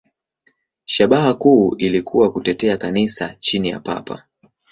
Shabaha kuu ilikuwa kutetea Kanisa chini ya Papa.